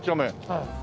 はい。